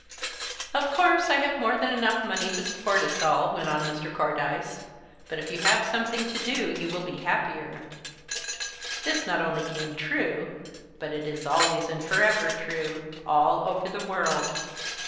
"Of course I have more than enough money to support us all," went on Mr. Cordyce, "but if you have something to do, you will be happier." (This not only came true, but it is always and forever true, all over the world.)